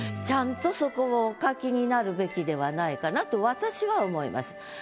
ちゃんとそこをお書きになるべきではないかなと私は思います。